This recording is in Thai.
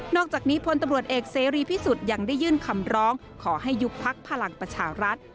อกจากนี้พลตำรวจเอกเสรีพิสุทธิ์ยังได้ยื่นคำร้องขอให้ยุบพักพลังประชารัฐ